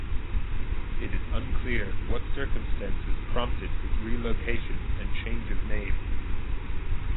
It is unclear what circumstances prompted his relocation and change of name.